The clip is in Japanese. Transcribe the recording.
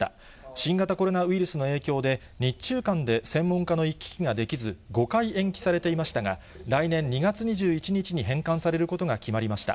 新型コロナウイルスの影響で、日中間で専門家の行き来ができず、５回延期されていましたが、来年２月２１日に返還されることが決まりました。